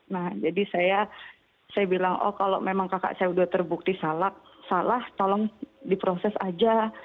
nah jadi saya bilang oh kalau memang kakak saya sudah terbukti salah salah tolong diproses aja